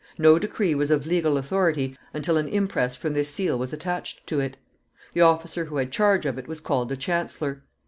No decree was of legal authority until an impress from this seal was attached to it. The officer who had charge of it was called the chancellor.